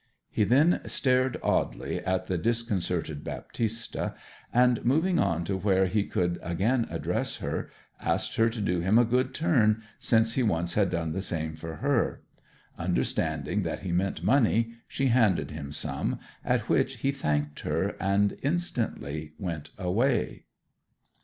He then stared oddly at the disconcerted Baptista, and moving on to where he could again address her, asked her to do him a good turn, since he once had done the same for her. Understanding that he meant money, she handed him some, at which he thanked her, and instantly went away.